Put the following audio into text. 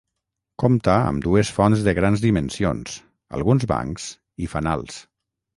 Compta amb dues fonts de grans dimensions, alguns bancs i fanals.